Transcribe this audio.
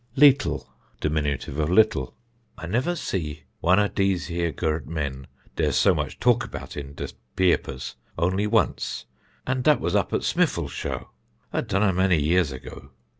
Leetle (diminutive of little): "I never see one of these here gurt men there's s'much talk about in the pėȧpers, only once, and that was up at Smiffle Show adunnamany years agoo.